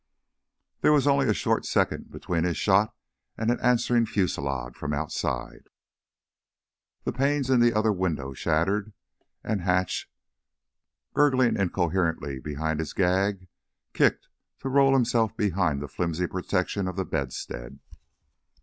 There was only a short second between his shot and an answering fusillade from outside. The panes in the other windows shattered and Hatch, gurgling incoherently behind his gag, kicked to roll himself behind the flimsy protection of the bedstead.